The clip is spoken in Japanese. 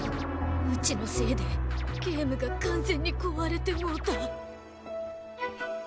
うちのせいでゲームが完全に壊れてもうた。